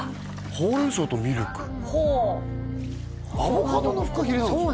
ほうれん草とミルクほうアボカドのフカヒレなんですね